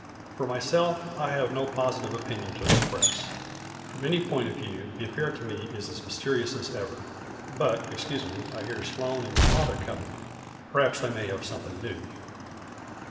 For myself I have no positive opinion to express. From any point of view the affair to me is as mysterious as ever. But, excuse me, I hear Sloane and your father coming. Perhaps they may have something new."